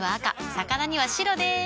魚には白でーす。